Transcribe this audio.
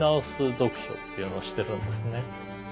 読書っていうのをしてるんですね。